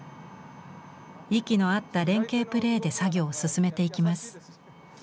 息の合った連携プレーで作業を進めていきます。